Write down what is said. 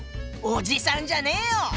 おじさんじゃねえよ！